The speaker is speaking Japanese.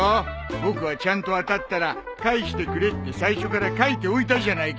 僕はちゃんと当たったら返してくれって最初から書いておいたじゃないか！